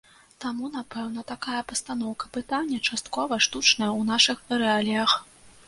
Таму, напэўна, такая пастаноўка пытання часткова штучная ў нашых рэаліях.